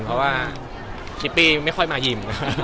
เพราะว่าชิปปี้ไม่ค่อยมายิม